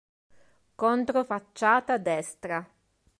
Controfacciata destra.